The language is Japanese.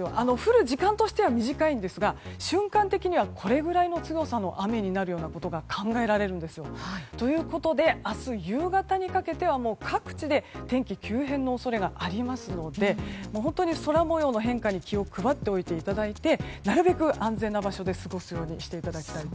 降る時間としては短いんですが瞬間的には、これくらいの強さの雨になるようなことが考えられるんですよ。ということで明日夕方にかけてはもう各地で天気が急変の恐れがありますので本当に空模様の変化に気を配っていただいてなるべく安全な場所で過ごすようにしてください。